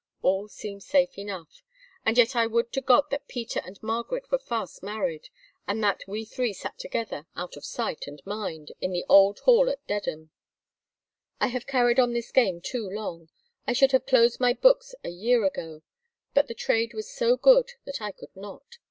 All seems safe enough—and yet I would to God that Peter and Margaret were fast married, and that we three sat together, out of sight and mind, in the Old Hall at Dedham. I have carried on this game too long. I should have closed my books a year ago; but the trade was so good that I could not.